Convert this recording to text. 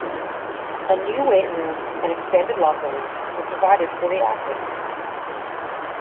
A new weight room and expanded locker rooms were provided for the athletes.